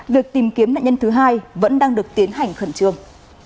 việc tìm kiếm nạn nhân thứ hai vẫn đang được tiến hành khẩn trương